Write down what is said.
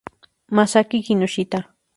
Masaki Kinoshita